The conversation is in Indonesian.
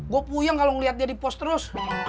gue puyeng kalo ngeliatnya di pos terus